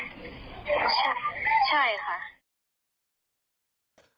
ใช่ค่ะ